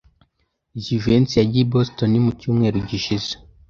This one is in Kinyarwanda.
Jivency yagiye i Boston mu cyumweru gishize.